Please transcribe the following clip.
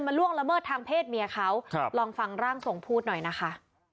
ล่วงละเมิดทางเพศเมียเขาลองฟังร่างทรงพูดหน่อยนะคะ